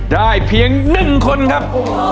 ได้เพียงหนึ่งคนครับ